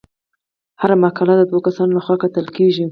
هره مقاله د دوه کسانو لخوا کتل کیږي.